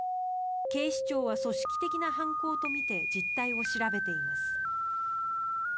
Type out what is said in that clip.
警視庁は組織的な犯行とみて実態を調べています。